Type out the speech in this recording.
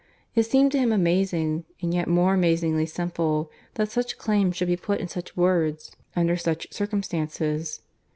It seemed to him amazing, and yet more amazingly simple, that such claims should be put in such words under such circumstances.